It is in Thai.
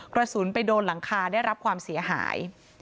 กระสุนไปโดนหลังคาได้รับความเสียหาย